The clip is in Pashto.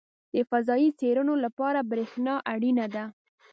• د فضایي څېړنو لپاره برېښنا اړینه ده.